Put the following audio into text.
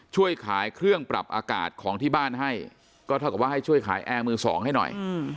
ช่วยขายเครื่องปรับอากาศของที่บ้านให้ก็เท่ากับว่าให้ช่วยขายแอร์มือสองให้หน่อย